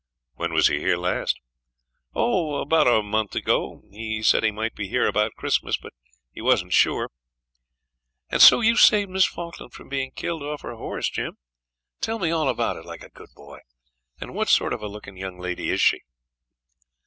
'When was he here last?' 'Oh! about a month ago. He said he might be here about Christmas; but he wasn't sure. And so you saved Miss Falkland from being killed off her horse, Jim? Tell me all about it, like a good boy, and what sort of a looking young lady is she?'